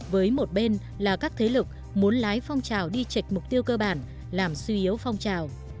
với một bên là các thế lực muốn lái phong trào đi chệch mục tiêu cơ bản làm suy yếu phong trào